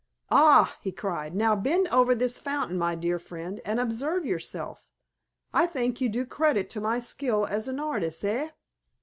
"Ah!" he cried. "Now bend over this fountain, my dear friend, and observe yourself. I think you do credit to my skill as an artist, eh?"